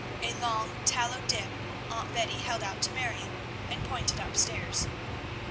A long tallow dip Aunt Betty held out to Marion, and pointed up stairs.